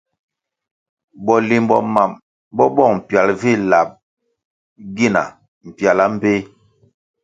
Bolimbo mam bo bong pial vi lab gina mpiala mbpéh.